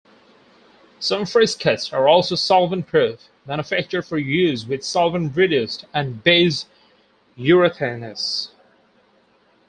Some friskets are also solvent-proof, manufactured for use with solvent-reduced and -based Urethanes.